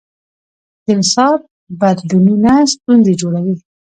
د نصاب بدلونونه ستونزې جوړوي.